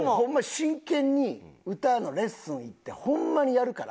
真剣に歌のレッスンってホンマにやるから。